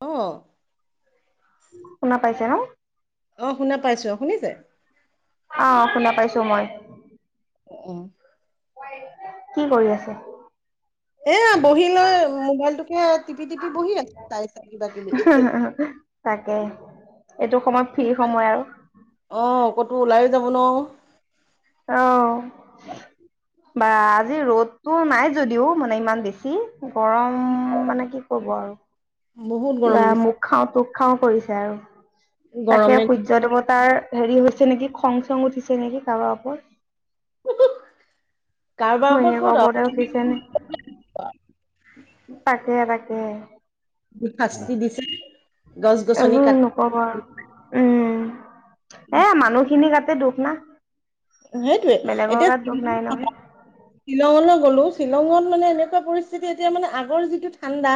অ', শুনা পাইছে ন? অ, শুনা পাইছো। অ, শুনিছে? অ, শুনা পাইছো মই। অ', অ', কি কৰি আছে? এয়া বহি লৈ মোবাইলটোকে তিপি-তিপি বহি আছে চাই-চাই কিবা কিবি। তাকে এইটো সময়ত ফ্ৰী সময় আৰু। অ, ক'তো ওলাইও যাব নোৱাৰো। অ, বা আজি ৰ'দটো নাই যদিও মানে ইমান বেছি। গৰম মানে কি ক'ব আৰু। বহুত কিবা গৰম দিছে মোক খাও-মোক খাও কৰিছে আৰু তাকে গৰমে সূৰ্য দেৱতাৰ হেৰি হৈছে নেকি খং-। চং উঠিছে নেকি কাৰোবাৰা ওপৰত কাৰোবাৰ ঘৈণীয়েকৰ ক'ত ওপৰত উঠিছে নি তাকে-তাকে। শাস্তি দিছে গছ-গছনি কাটি কব আৰু উম, এ মানুহখিনিৰ গাতে দুখ সেইটোৱে, বেলেগৰ এতিয়া গাত দুখ নাই নহয় [unintelligible] শ্বিলঙলৈ গলো, শ্বিলঙত মানে এনেকুৱা পৰিস্থিতি এতিয়া মানে আগৰ যিটো ঠাণ্ডা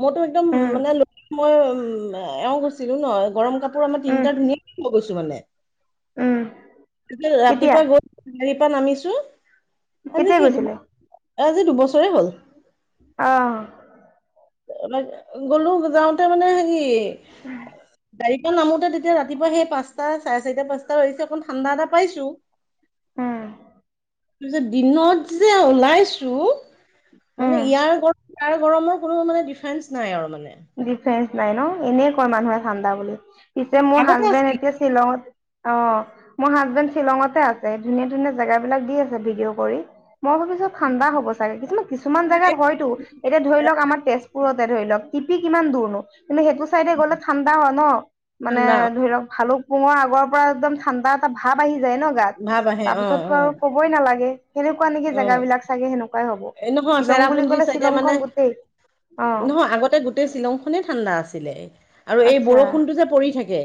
মইতো একদম উম মানে মই উম, এও গৈছিলো ন গৰম কাপ আমাৰ উম তিনিটা ধুনীয়া ক গৈছো মানে উম এইফালে ৰাত [unintelligible] কেতিয়া [unintelligible] গাড়ীৰ পৰা নামিছো আজি কেতিয়া কি গৈছিলে আজি দুবছৰে হল। অ', গ'লো যাওতে মানে হেৰি গাড়ী নামোতে তেতিয়া ৰাতিপুৱা সেই পাচটা, চাৰে চাৰিটা, পাচটা বাজিছে অকমান ঠণ্ডা এটা পাইছো। উম, তাৰপিছত দিনত যে ওলাইছো, মানে উম ইয়াৰ গৰম ইয়াৰ গৰমত কোনো মানে ডিফাৰেঞ্চ নাই আৰু মানে। ডিফাৰেঞ্চ নাই ন, এনেই কয় মানুহে ঠাণ্ডা বুলি। পিছে মোৰ আগতে হাজবেণ্ড আছিল এতিয়া শ্বিলঙত অ, মোৰ হাজবেণ্ড শ্বিলঙতে আছে। ধুনীয়া-ধুনীয়া জেগাবিলাক দি আছে ভিডিঅ' কৰি। মই ভাবিছো ঠাণ্ডা হ'ব চাগে কিছু। কিছুমান জাগাত হয়তো, এতিয়া ধৰি লওক আমাৰ তেজপুৰতে ধৰি লওক টিপি কিমান দূৰনো, কিন্তু সেইটো চাইডে গ'লে ঠাণ্ডা হয় ন, মানে ঠাণ্ডা ধৰি লওক ভালো মোৰ আগৰ পৰা একদম ঠাণ্ডা এটা ভাৱ আহি যায় ন গাত, ভাৱ আহে তাৰ অ পিছততো অ আৰু ক'বই নালাগে। সেনেকুৱা নেকি অ জেগাবিলাক চাগে সেনেকুৱাই হ'ব এ নহয় শ্বিলং বুলি চেৰাপুঞ্জী কলে চাইডে শ্বিলং মানে খন গোটেই। অ নহয় আগতে গোটেই শ্বিলংখনে ঠাণ্ডা আছিলে আৰু এই আচ্ছা বৰষুণটো যে পৰি থাকে।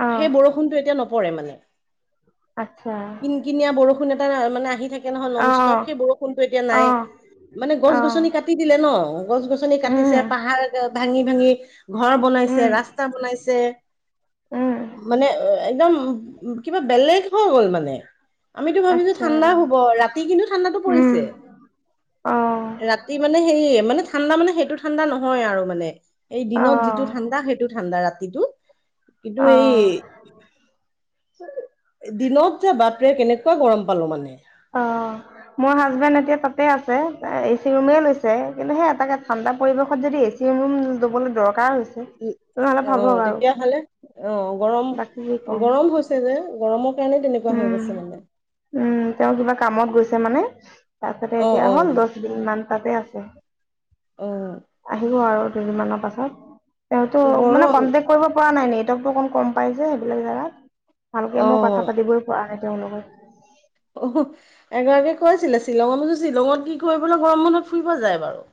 আহ সেই বৰষুণটো এতিয়া নপৰে মানে। আচ্ছা। কিনিয়া বৰষুণ এটা মানে আহি থাকে নহয় নন ষ্টপ, আহ সেই বৰষুণতো এতিয়া নাই। আহ মানে গছ আহ গছনি কাটি দিলে ন, গছ- গছনি কাটিছে, উম পাহাৰ ভাঙি - ভাঙি। ঘৰ বনাইছে, উম ৰাস্তা বনাইছে, উম মানে একদম কিবা বেলেগ হৈ গ'ল মানে আমিতো ভাবিছো আচ্ছা ঠাণ্ডা হো ৰাতি কিন্তু ঠাণ্ডাতো উম পৰিছে। আহ ৰাতি মানে হেৰী সেই মানে ঠাণ্ডা মানে সেইটো ঠাণ্ডা নহয় আৰু মানে। এই দিনত যিটো আহ ঠাণ্ডা সেইটো ঠাণ্ডা ৰাতিটো, কিন্তু এই আহ দিনত যে বাপৰে কেনেকুৱা গৰম পালো মানে। অ', মোৰ হাজবেণ্ড এতিয়া তাতে আছে, এচি ৰুমে লৈছে। কিন্তু সেই এটাকে ঠাণ্ডা পৰিৱেশত যদি এ চি ৰুম দবলৈ দৰকাৰ হৈছে, উ তেনেহ'লে অ' ভাবক আৰু তেতিয়াহলে অ' গৰম- বাকী কি ক'ম গৰম হৈছে। যে গৰমৰ কাৰণে তেনেকুৱা হৈ উম গৈছে মানে। উম, তেওঁ কিবা কামত গৈছে মানে তাৰ পাছতে অ', এতিয়া হল অ', দহ দিন মান তাতে আছে। অ'। নোৱাৰো আৰু দুদিন মানৰ পাছত, তেওঁটো মানে গৰম কনটেক্ট। কৰিব পৰা নাই নেকি, তেওঁটো গম পাই সেইবিলাক জেগাত, ভালকে মই কথা পাতি - অ', গৈ পোৱা নাই তেওঁ লগত। উহু। এগৰাকীয়ে কৈছিলে, শ্বিলঙৰ শ্বিলঙত কি কৰিবলে গৰম মানত ফুৰিব যায় বাৰু।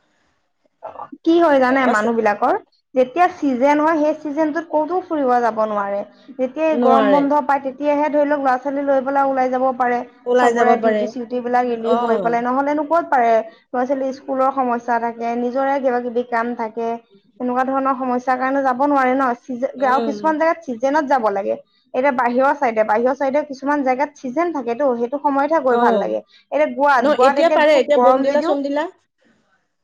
কি হয় জানে অ মানুহ বিলাকৰ যেতিয়া চিজন হয়, সেই চিজনেন ত ক'তোও ফুৰিব যাব নোৱাৰে যেতিয়া গৰম নোৱাৰে বন্ধ পায় তেটিয়া। তেতিয়াহে ধৰি লওক ল'ৰা ছোৱালী লৈ পেলাই ওলাই যাব পাৰে। ওলাই যাব চবৰে পাৰে ডিউটি চিউট বিলাক ৰিলিভ হৈ অ', পালাই নহলেনো ক'ত পাৰে ল'ৰা ছোৱালী স্কুলৰ সময় চা থাকে নিজৰে কিবা কিবি কাম থাকে। থাকে এনেকুৱা ধৰণৰ সমস্যাৰ কাৰণে যাব নোৱাৰে ন, আৰু উম, কিছুমান জেগাত চিজেনত যাব লাগে। এতিয়া বাহিৰৰ চাইডে বাহিৰৰ চাইডে কিছুমান জেগাত ছিজেন থাকেতো, সেই টো সময়তহে গৈ ভাল অ', লাগে। এতিয়া ন গোৱাত, গোৱাত এতিয়া পাৰে খুব গৰম বমদিলা যদিও, চমদিলা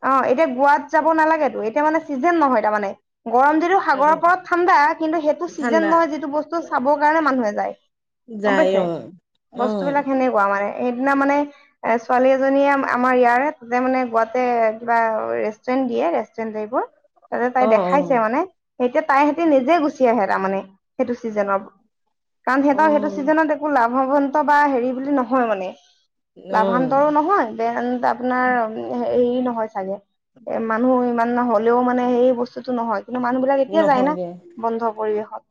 অ' এতিয়া গোৱাত যাব নালাগেতো, এতিয়া মানে চিজন নহয়। তাৰমানে গৰম যদিও সাগৰৰ অ', পৰা ঠাণ্ডা, কিন্তু সেইটো চিজন ঠাণ্ডা নহয় যিটো বস্তু চাবৰ কাৰণে মানুহে যায়। গম যায় পাইছে, অ', বস্তু অ', বিলাক সেনে সেনেকোৱা মানে। সেইদিনা মানে এ ছোৱালী এজনীয়ে আমাৰ ইয়াৰে তাতে মানে গুৱাতে বা ৰেষ্টুৰেণ্ট দিয়ে ৰেষ্টুৰেণ্ট এইবোৰ তাতে তাই অ', দেখাইছে অ', মানে। এতিয়া তাই সতি নিজে গুচি আহে তাৰমানে সেইটো ছিজনৰ কাৰণ সিহঁতৰ সেইটো অ', ছিজনত। একো লাভৱানন্ত বা হেৰি বুলি নহয় মানে অ লাভান্তৰো নহয়। [unintelligible] আপোনাৰ হেৰি নহয় চাগে এ মানুহ ইমান নহ'লে। নহলেও মানে সেই বস্তুতটো নহয়। কিন্তু মানুহ বিলাক এতিয়া যায় না নহয়গে। বন্ধ পৰিৱেশত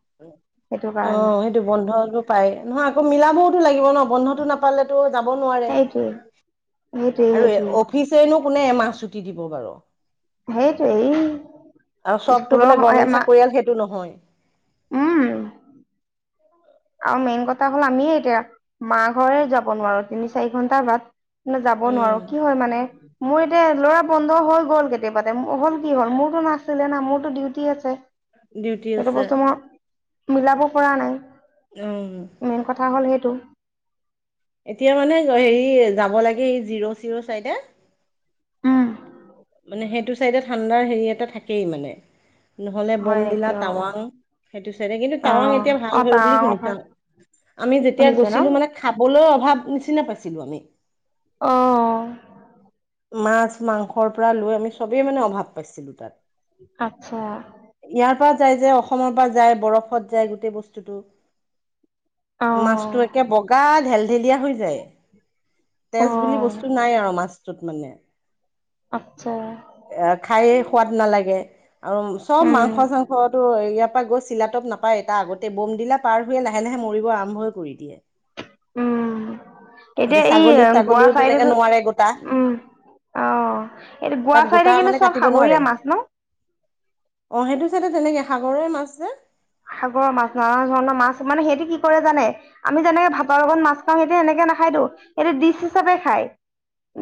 সেইটো কাৰণে। বন্ধও টো পাই নহয় আকৌ মিলাবওতো লাগিব ন। বন্ধতো নাপালে তো যাব নোৱাৰে। সেইটোৱে সেইটোৱে আৰু সেইটোৱে অফিচেই নো কোনে এমাহ ছুটি দিব বাৰু। সেইটোৱে এই। আৰু চবতো বোলে স্কুলৰ গভৰ্মেণ্ট চাকৰিয়াল সেইটো নহয়। উম। আৰু মেইন কথা হ'ল আমি এতিয়া মা ঘৰে যাব নোৱাৰো তিনি চাৰি ঘন্টাৰ বাদ। যাব নোৱাৰো উম কি হয় মানে মোৰ এতিয়া ল'ৰা বন্ধ হৈ গ'ল গে কেতিবাতে হ'ল কি হ'ল মোৰতো নাছিলে না মোৰতো ডিউটি আছে। ডিউটি সেইটো আছে বস্তু মই মিলাব পৰা নাই। উম, মেইন কথা হ'ল সেইটো। এতিয়া মানে হেৰি যাব লাগে এই জিৰ-চিৰ চাইডে উম, মানে সেইটো চাইডে ঠাণ্ডাৰ হেৰি এটা থাকেই মানে। নহলে বম হয় দিলা নেকি অ টাৱাং সেইটো চাইডে কিন্তু অ টাৱাং এতিয়া ভাল অ হল বুলি তাৰ শুনিছো অফাৰ আও। আমি যেতিয়া শুনিছে ন? গৈছিলো, মানে খাবলৈ অভাৱ নিচিনা পাইছিলো আমি। অ', মাছ, মাংসৰ পৰা লৈ আমি চবেই মানে অভাৱ পাইছিলো তাত। আচ্ছা। ইয়াৰ পৰা যায় যে অসমৰ পৰা যায় বৰফত যায় গোটেই বস্তুতটো। অ মাছতো একে বগা ঢেল-ঢেলীয়া হৈ যায়। অ তেজ বুলি বস্তু নাই আৰু মাছটোত মানে। আচ্ছা। এ, খাই সোৱাদ নালাগে। আৰু চব উম মাংস-চাংসতো ইয়াৰ পৰা গৈ চিলাতপ নাপায়, এটা আগতে বম দিলা ত পাৰ হৈয়ে লাহে-লাহে মৰিব আৰম্ভই কৰি দিয়ে। উম, এতিয়া এই ছাগলী গোৱা ছাগলীও চাইডো তেনেকে নোৱাৰে গোটা উম, অ, এইটো গোৱা তাত চাইতে গোটা কিন্তু মানে চব কাটিব সাগৰীয়া নোৱাৰে। মাছ ন? অ, সেইটো চাইডে তেনেকৈ সাগৰৰে মাছ যে। সাগৰৰ মাছ নানা ধৰণৰ মাছ, মানে সেইটো কি কৰে জানে? আমি যেনেকে ভাতৰ লগত মাছ খাও হেতে এনেকে নাখাইতো সেইটো ডিচ হিচাপে খায়।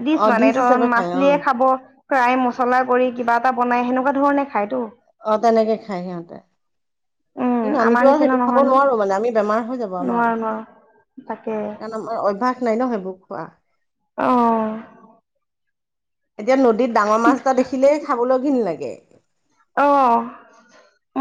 দিছ অ মানে ডিচ ধৰ হিচাপে খাই অ মাছলিয়ে খাব। ফ্ৰাই মছলা কৰি কিবা এটা বনাই সেনেকুৱা ধৰণে খায়তো। অ, তেনেকে খাই সিহঁতে। উম কিন্তু আমাৰ আমিতো আৰু নিচিনা সেইটো খাব নহয় নহয় নোৱাৰো মানে আমি বেমাৰ হৈ যাব আমাৰ। নোৱাৰো নোৱাৰো তাকে আমাৰ অভ্যাস নাই ন সেইবোৰ খোৱা। অ', এতিয়া নদীত ডাঙৰ মাছ এটা দেখিলেই খাবলৈ ঘিণ লাগে। অ,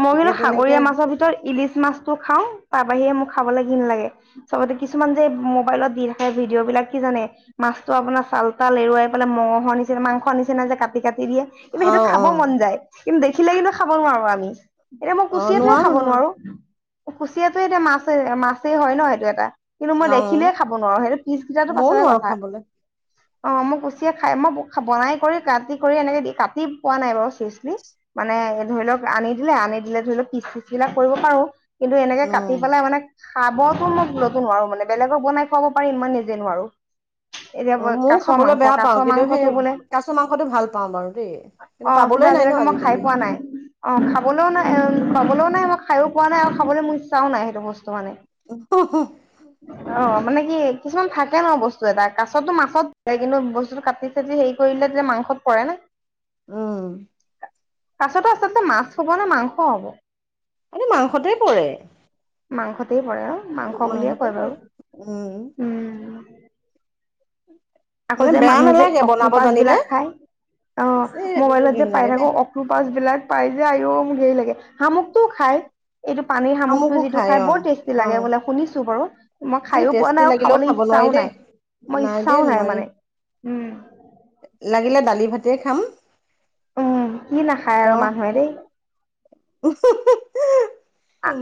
মই কিন্তু এতিয়া তেনেকে সাগৰীয়া মাছ ভিতৰত ইলিচ মাছটো খাও, তাৰ বাহিৰে মোক খাবলৈ ঘিণ লাগে। চবতে কিছুমান যে মোবাইলত দি থাকে ভিডিঅ' বিলাক কি জানে? মাছটো আপোনাৰ চাল-তাল এৰুৱাই পেলাই মঙহৰ নিচিনা মাংস নিচিনা যে কাটি-কাটি দিয়ে। কিন্তু সেইটো অ', খাব অ', মন যায়, কিন্তু দেখিলে কিন্তু খাব নোৱাৰো আমি। এতিয়া মই কুচিয়াতোৱে খাব নোৱাৰো কুচিয়াতো এতিয়া মাছে-মাছেই হয় ন এইটো এটা। কিন্তু মই দেখিলে অ', খাব নোৱাৰো, সেইটো পিছ কেইটা ময়ও পাছৰে নোৱাৰো কথা। খাবলৈ। অ, মোক কুচিয়াই খাই মই বনাই কৰি কাটি কৰি এনেকে দি কাটি পোৱা নাই বাৰু চিচলি মানে ধৰি লওক আনি দিলে-আনি দিলে ধৰি লওক কিচ চিচবিলাক কৰিব পাৰো। কিন্তু এনেকে কাটি অ', পেলাই মানে খাবতো মই ভুলতো নোৱাৰো মানে বেলেগক বনাই খুৱাব পাৰিম, মই নিজে নোৱাৰো। এতিয়া অ, ময়ও কাছ খাবলৈ মাংস বেয়া কাছ পাওঁল, কিন্তু সেই মাংসটো বোলে কাছ মাংসটো ভাল পাও বাৰু দেই। অ, পাবলৈ কিন্তু নাই ন আজিলৈকে মই খাই আজিকালি। পোৱা নাই। অ, খাবলৈও নাই পাবলৈও নাই মই খাই পোৱা নাই আৰু খাবলৈ মোৰ ইচ্ছাও নাই সেইটো বস্তু স্তু মানে। অ, মানে কিছুমান থাকে ন বস্তু এটা কাছতো মাছতে কিন্তু বস্তুটো কাটি হেৰি কৰিলে যে মাংসত পৰে ন। উম, কাছতো আচলতে মাছ হব নে মাংস হব। এনেই মাংসতে পৰে মাংসতেই পৰে অ মাংস বুলিয়ে মাংসতে কয় পৰে। উম, বাৰু উম আকৌ মানে যে বেয়া মানুহে যে নালাগে বনাব অক্টোপাছ জানিলে। বিলাক খাই অ এ সেইটোতো মোবাইলত যে ঘিন পাই লাগে থাকো দেই। অক্টোপাছবিলাক পাই যে আও মোক হেৰ লাগে শামুকটো খাই এইটো পানীৰ শামুকটো শামুকো যিটো খাই অ বৰ টেষ্টি অ লাগে বোলে শুনিছো বাৰু মই যি খাইও পোৱা টেষ্টি নাই আৰু লাগিলেও খাবলৈ খাব নোৱাৰি ইচ্ছাও দেই নাই মই ইচ্ছাও দেই নাই নোৱাৰি মানে উম লাগিলে দালি ভাতিয়ে খাম উম কি নাখায় আৰু তেওঁ মানুহে দেই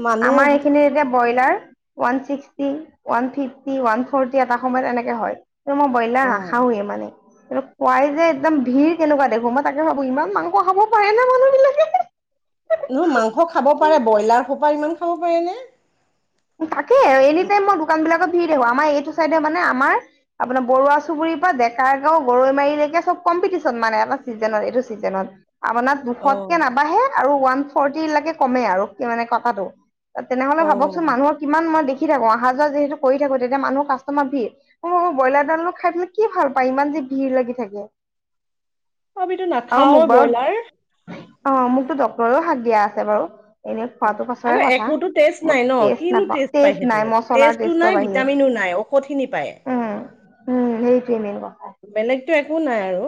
মানুহ আমাৰ এইখিনি এতিয়া broiler one sixty one fifty one forty এটা সময়ত এনেকে হয় কিন্তু মই ব্ৰইলাৰ অ নাখাওৱে মানে কোৱাই যে একদম ভিৰ কেনেকুৱা দেখো মই তাকে ভাবো ইমান মাংস খাব পাৰে নে মানুহ বিলাকে নহ মাংস খাব পাৰে ব্ৰইলাৰ সোপা ইমান খাব পাৰে নে তাকেই এনি টাইম মই দোকান বিলাকৰ ভৰি দেখো আমাৰ এইটো চাইডে মানে আমাৰ আপোনাৰ বৰুৱা চুবুৰীৰ পৰা ডেকা গাঁও গৰৈ মাৰিলৈকে চব কম্পিটিচন মানে এটা চিজনত এইটো চিজনত আমা ইয়াত অ দুশতকে নাবাঢ়ে আৰু ওৱান ফৰ্ট লৈকে কমে আৰু কি মানে কথাটো তেনেহ'লে অ ভাবকচোন মানুহক কিমান মই দেখি থাকো অহা যোৱা যিহেতু কৰি থাকো তেতিয়া মানুহ কাষ্টমাৰ ভিৰ অ অ ব্ৰইলাৰ ডালো খাই পেলাই কি ভাল পায় ইমান যে ভিৰ লাগি থাকে আমিতো আৰু নাখাও মোক বাৰু ব্ৰইলাৰ অ মোকতো ডক্টৰেও শাক দিয়া আছে বাৰু এনে খোৱাটো পাছৰে আকৌ কথা একোতো টেষ্ট মই নাই ন টেষ্ট কিনো নাপাওঁ টেষ্ট পায় নাই সেইটোৰ মছলাৰ টেষ্টো টেষ্টৰ নাই বাহিৰে ভিটামিনো নাই ঔষধখিনি পায় উম উম সেইটোৱে মেইন কথা বেলেগতো একো নাই আৰু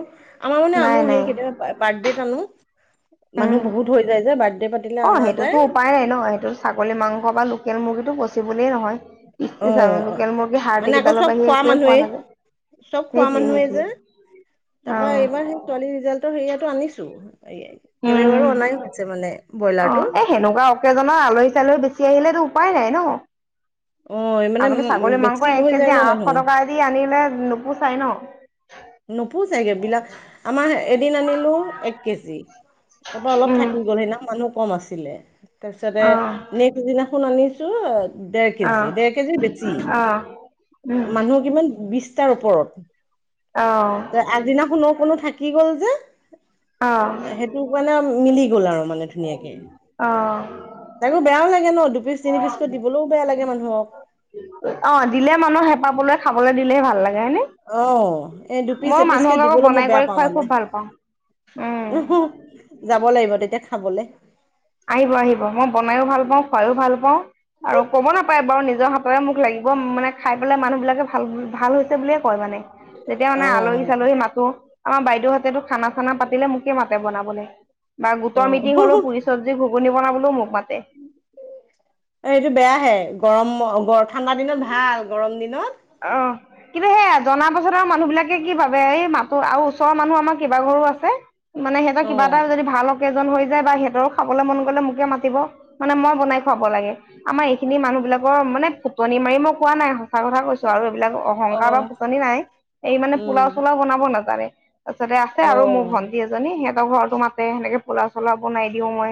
আমাৰ মানে নাই, আনো নাই, সেই কেতিয়াবা বাৰ্থডেত আনো উম। মানুহ বহুত হৈ যায় যে বাৰ্থডে পা অ সেইটোতো উপায় নাই ন সেইটো ছাগলী মাংস বা লোকেল মুৰ্গীটো পচিবোলে বুলি নহয় পিছ চেইছ [unintelligible] অ লোকেল মুৰ্গী হাড়ি মানে আকৌ কিডালৰ চব বাহিৰে খোৱা একোৱে পোৱা মানুহেই নাযায় চব খোৱা সেইটোৱে, মানুহে সেইটোৱে। যে তাপা অ', এইবাৰ সে ছোৱালী ৰিজাল্টৰ হেৰিয়াতো আনিছো উম। কেইবাৰো অনাই হৈছে মানে অ ব্ৰইলাৰটো এই সেনেকুৱা অকেজনৰ আলহী চালহী বেছি আহিলেতো উপায় নাই ন অ মানে আপুনি ছাগলী বেছি মাংস হৈ এক যায় কেজি ন মানুহ আঢ়শ টকা দি আনিলে নোপোচাই ন নোপোচায়গে বিলাক আমাৰ এদিন আনিলো এক কেজি তাৰপৰা অলপ উম, থাকি গ'ল সেইদি মানুহ কম আছিলে তাৰপিছতে অ', নে পিছদিনাখন আনিছো দেৰ অ', কেজি দেৰ কেজি বেছি অ', উম, মানুহৰ কিমান বিছ টাৰ ওপৰত অ', আগদিনাখনো কোনো থাকি গ'ল যে অ', সেই টো কানে মিলি গ'ল আৰু মানে ধুনীয়াকে অ'। তাকো বেয়াও লাগে ন দুপিচ তিনি পিচকৈ দিবলৈও বেয়া লাগে মানুহক অ দিলে মানুহ হেপা পলোৱাই খাবলৈ দিলেহে ভাল লাগে হয় নে? অ এই দুপিচ এপিচ কে দিবলৈ মই বনাই বেয়া কৰি পাওঁ খুৱাই মানে খুব ভাল পাওঁ উম যাব লাগিব তেতিয়া খাবলে আহিব আহিব মই বনাইও ভাল পাওঁ খুৱাইও ভাল পাওঁ আৰু কব নাপায় বাৰু নিজৰ নিজৰে মুখ লাগিব মানে খাই পেলাই মানুহবিলাকে ভাল ভাল হৈছে বুলিয়ে কয় মানে যেতিয়া মানে অ আলহী চালহী মাতো আমাৰ বাইদেউহতেতো খানা চানা পাতিলে মোকে মাতে বনাবলৈ বা অ গোটৰ মিটিং হলেও পুৰি চব্জি, ঘুগুনি বনাবলৈও মোক মাতে অ এইটো বেয়াহে গৰম ঠাণ্ডা দিনত ভাল গৰম দিনত অ কিন্তু সেয়া জনা পাছত আৰু মানুহ বিলাকে কি ভা বে এই মাতো আৰু ওচৰৰ মানুহ আমাৰ কেইবা ঘৰো আছে মানে সিহঁতৰ অ কিবা এটা যদি ভাল কেইজন হৈ যায় বা সিহঁতৰো খাবলে মন গলে মোকে মাতিব মানে মই বনাই খুৱাব লাগে আমাৰ এইখিনি মানুহ বিলাকৰ মানে ফুটনি মাৰি মই কোৱা নাই সঁচা কথা আৰু কৈছো এইবিলাক অ অহংকাৰ বা ফুতনি নাই এই মানে পোলাও উম চোলাও বনাব নাজানে। তাৰপিছতে আছে অ আৰু মোৰ ভণ্টি এজনী সিহঁতৰ ঘৰতো মাতে সেনেকে পোলাও চোলাও বনাই দিওঁ মই।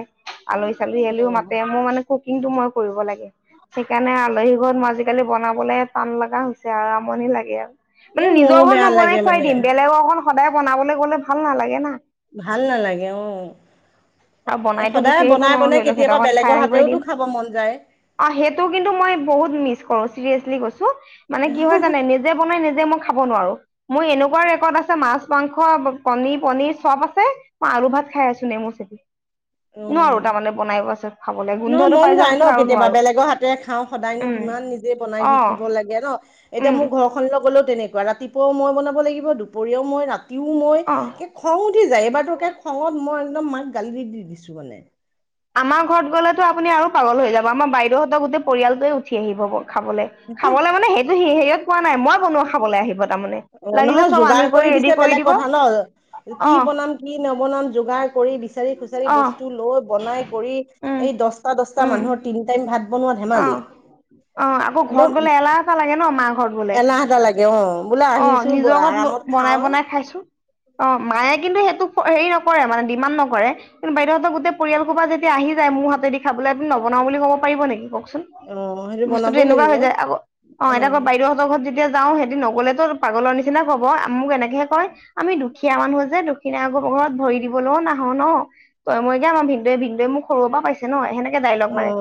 আলহী চালহী অ আহিলেও মাতে মোৰ মানে কুকিংটো মই কৰিব লাগে, সেইকাৰণে আলহী ঘৰত আজিকালি বনাব টান লাগা হৈছে আৰু আমনি লাগে আৰু এ মানে মোৰো নিজৰখন বেয়া মই লাগে বনাই খুৱাই মানে দিম বেলেগক অকন সদায় বনাবলৈ গ'লে ভাল নালাগে না। ভাল নালাগে অ' আৰু এ বনাইতো গুচি সদায় আহিব বনাই নোৱাৰো ধৰি বনাই লওক সিহঁতৰ কেতিয়াবা ঘৰত খাই বেলেগৰ আহিবই হাতেওতো দিম। খাব মন যায়। অ সেইটো কিন্তু মই বহুত মিছ কৰো চিৰিয়েছলি কৈছো মানে কি হয় জানে নিজে বনাই নিজে মই খাব নোৱাৰো। মোৰ এনেকুৱা ৰেকৰ্ড আছে মাছ, মাংস, কনী, পনিৰ চব আছে। মই আলু ভাত খাই আছো নেমু চেপি। নোৱাৰো উম, তাৰমানে বনাই পাছত খাবলৈ নহয় গোন্ধটো মন পাই যোৱাৰ যায় ন পাছত আৰু কেতিয়াবা নোৱাৰো বেলেগৰ হাতেৰে খাও। সদায়নো উম। কিমান নিজে বনাই অ থাকিব লাগে ন, এতিয়া উম মোৰ ঘৰ খনলৈ গ'লেও তেনেকুৱা ৰাতিপুৱাও মই বনাব লাগিব দুপৰীয়াও মই ৰাতিও মই অ। খং উঠি যায় এইবাৰতোকে খঙত মই একদম মাক গালি দি দি দিছো মানে। আমাৰ ঘৰত গ'লেতো আপুনি আৰু পাগল হৈ যাব আমাৰ বাইদেউহঁতৰ গোটেই পৰিয়ালটোৱে উঠি আহিব খাবলৈ। খাবলৈ মানে সেইটো হেৰিয়ত পোৱা নাই মই বনোৱা খাবলৈ আহিব তাৰমানে। অ লাগিলে নহয় চব আনি যোগাৰ কৰি ৰেডি দিছে বেলেগ দিব কথা ন। কি আহ বনাম কি নবনাম যোগাৰ কৰি বিচাৰি খুচাৰি আহ বস্তু লৈ বনাই কৰি উম এই দচটা দচটা উম মানুহৰ তিনি টাইম ভাত বনোৱা ধেমালি, আহ অ আকৌ ঘৰত একদম গ'লে এলাহ এটা লাগে ন মা ঘৰত গ'লে এলাহ এটা লাগে অ' বোলে অ' আহিছো নিজৰ ঘৰত আৰামত বনাই খাওঁ বনাই খাইছোঁ। অ, মায়ে কিন্তু সেইটো হেৰি নকৰে মানে ডিমাণ্ড নকৰে। কিন্তু বাইদেউহঁতৰ গোটেই পৰিয়াল সোপা যেতিয়া আহি যায় মোৰ হাতেদি খাবলৈ আপুনি নবনাও বুলি কব পাৰিব নেকি কওকচোন। অ সেইটো বস্তুতো বনাবই এনেকুৱা লাগিব হৈ যায় আকৌ অ' এতিয়া ক বাইদেউ হতৰ ঘৰত যেতিয়া যাও সিহতি নগ'লে পাগলৰ নিচিনা কব মোক এনেকেহে কয়। আমি দুখীয়া মানুহ যে দুখিয়া মানুহৰ ঘৰত ভৰি দিবলৈও নাহ ন। ত মই এ আমাৰ ভিনদেউৱে ভিনদেউৱে মোক সৰুৰ পৰা পাইছে ন সেনেকে ডাইলগ মাৰে।